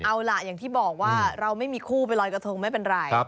เอาล่ะอย่างที่บอกว่าเราไม่มีคู่ไปลอยกระทงไม่เป็นไร